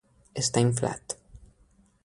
Estar inflat.